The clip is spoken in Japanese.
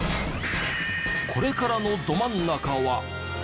これからのど真ん中は。